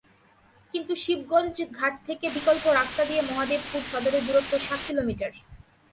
কিন্তু শিবগঞ্জ ঘাট থেকে বিকল্প রাস্তা দিয়ে মহাদেবপুর সদরের দূরত্ব সাত কিলোমিটার।